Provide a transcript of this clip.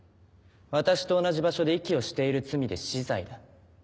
私と同じ場所で息をしている罪で死罪だ。